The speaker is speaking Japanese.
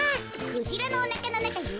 クジラのおなかのなかよ。